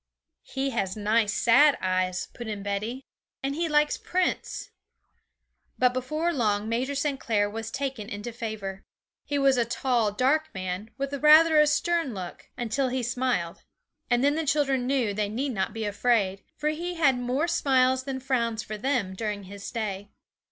'He has nice sad eyes,' put in Betty; 'and he likes Prince.' But before long Major St. Clair was taken into favour. He was a tall, dark man, with rather a stern look, until he smiled; and then the children knew they need not be afraid, for he had more smiles than frowns for them during his stay.